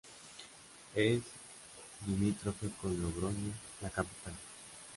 Es limítrofe con Logroño, la capital.